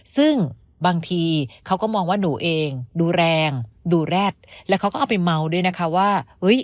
ซึ่งบางทีเขาก็มองว่าหนูเองดูแรงดูแร็ดแล้วเขาก็เอาไปเมาด้วยนะคะว่าเฮ้ย